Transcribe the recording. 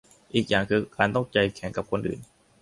อีกอย่างคือการต้องใจแข็งกับคนอื่น